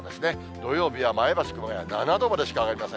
土曜日は前橋、熊谷、７度までしか上がりません。